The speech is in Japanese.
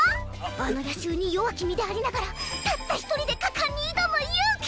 あの夜襲に弱き身でありながらたった一人で果敢に挑む勇気！